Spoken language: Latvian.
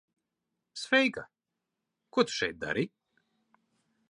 Sveika. Ko tu šeit dari?